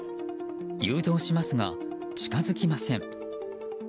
誘導しますが近づきません。